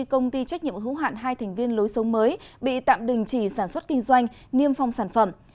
công ty trách nhiệm hữu hạn hai thành viên lối sống mới bị tạm đình chỉ sản xuất kinh doanh niêm phong sản phẩm